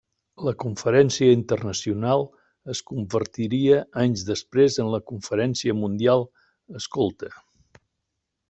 La Conferència Internacional es convertiria anys després en la Conferència Mundial Escolta.